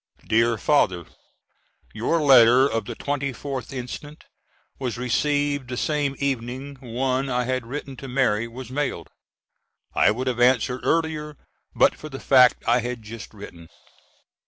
DEAR FATHER: Your letter of the 24th inst was received the same evening one I had written to Mary was mailed. I would have answered earlier but for the fact I had just written.